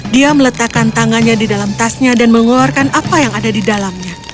dia meletakkan tangannya di dalam tasnya dan mengeluarkan apa yang ada di dalamnya